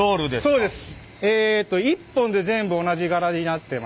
そうです。